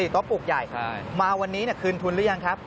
โต๊ะปลูกใหญ่มาวันนี้คืนทุนหรือยังครับ